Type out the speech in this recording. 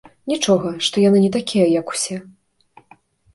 Нічога, што яны не такія, як усе.